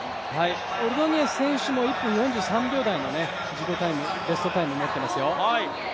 オルドネス選手も１分４５秒台の自己ベストを持っていますよ。